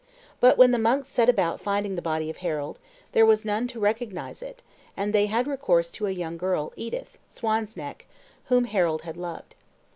But when the monks set about finding the body of Harold, there was none to recognize it, and they had recourse to a young girl, Edith, Swan's neck, whom Harold had loved.